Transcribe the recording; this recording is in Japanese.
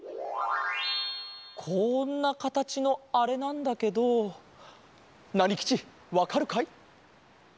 こんなかたちのあれなんだけどナニきちわかるかい？